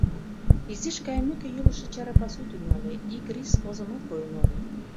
Изиш кайымеке, йӱлышӧ чара пасу тӱҥале, ик рис озымат койын огыл.